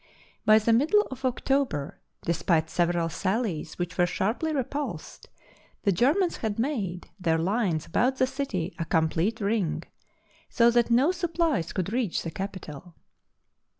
By the middle of October, despite several sallies which were sharply repulsed, the Germans had made their lines about the city a complete ring, so that no supplies could reach the capital.